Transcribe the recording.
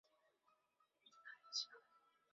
酥油可制成酥油茶。